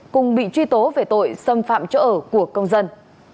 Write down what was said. cùng bị truy tố về tội xâm phạm chỗ ở của công dân